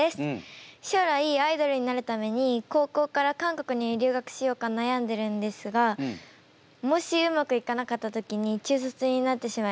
将来アイドルになるために高校から韓国に留学しようか悩んでるんですがもしうまくいかなかった時に中卒になってしまいます。